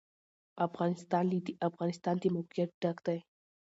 افغانستان له د افغانستان د موقعیت ډک دی.